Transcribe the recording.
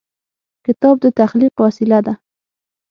کتاب د تخلیق وسیله ده.